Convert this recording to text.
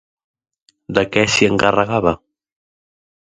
De què s'hi encarregava?